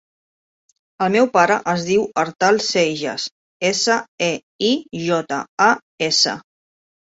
El meu pare es diu Artal Seijas: essa, e, i, jota, a, essa.